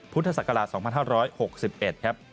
ปุทธศักราช๒๕๖๑